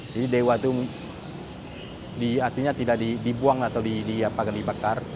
jadi dewa itu artinya tidak dibuang atau dibakar